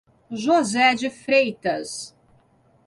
José de Freitas